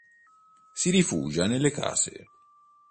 Si rifugia nelle case.